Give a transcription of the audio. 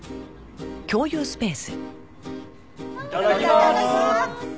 いただきます！